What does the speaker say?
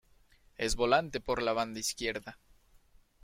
Es volante por la banda izquierda.